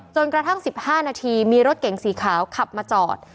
กระทั่ง๑๕นาทีมีรถเก๋งสีขาวขับมาจอด